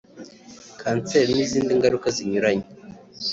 kanseri n’izindi ngaruka zinyuranye